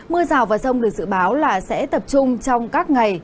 mưa rào và rông được dự báo là sẽ tập trung trong các ngày